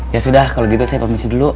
ya sudah kalau gitu saya permisi dulu